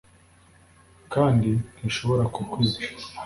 Kandi ntishobora kukwica